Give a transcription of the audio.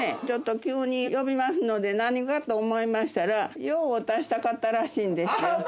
ちょっと急に呼びますので何かと思いましたら用を足したかったらしいんですよ。